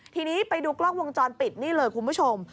ทีนี้ไปดูกล้องวงจรปิดนี่เลยคุณผู้ชม